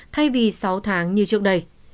thay vì sáu tháng như trước đây